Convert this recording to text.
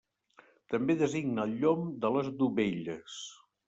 També designa el llom de les dovelles.